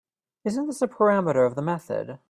Isn’t this a parameter of the method?